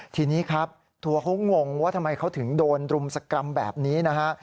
ทีนี้ครับตัวเขางงว่าทำไมเขาถึงโดนรุมสกรรมแบบนี้นะฮะ